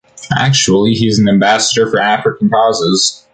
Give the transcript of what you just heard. Actually, he is an ambassador for African causes.